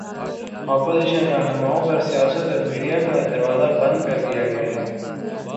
Opposition راہنماؤں پر سیاست اور میڈیا کا دروازہ بند کر دیا گیا ہے۔